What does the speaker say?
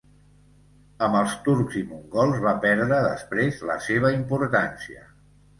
Amb els turcs i mongols va perdre després la seva importància.